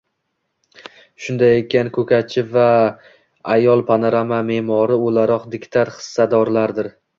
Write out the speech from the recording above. shunday ekan, ko‘katchi va ayol panorama me’mori o‘laroq diktat hissadorlaridir.